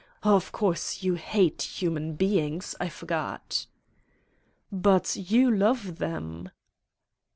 Of course, you hate human beings, I forgot/' "But you love them?"